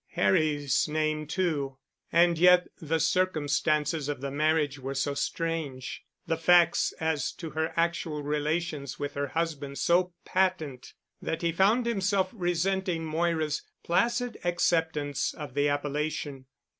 Harry's name too—. And yet the circumstances of the marriage were so strange, the facts as to her actual relations with her husband so patent, that he found himself resenting Moira's placid acceptance of the appellation.